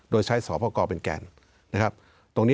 โดยใช้ศูนย์องค์กรภาคประชาชนเป็นแกน